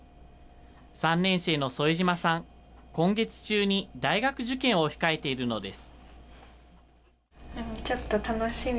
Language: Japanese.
３年生の副島さん、今月中に大学受験を控えているのです。